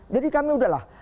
jadi kami udahlah